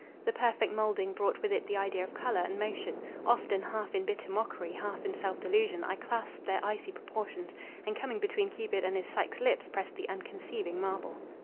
The perfect moulding brought with it the idea of colour and motion; often, half in bitter mockery, half in self delusion, I clasped their icy proportions, and, coming between Cupid and his Psyche's lips, pressed the unconceiving marble.